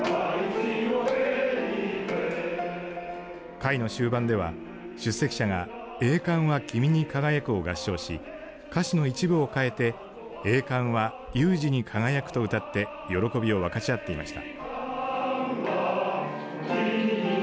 会の終盤では出席者が栄冠は君に輝くを合唱し歌詞の一部を変えて栄冠は裕而に輝くと歌って喜びを分かち合っていました。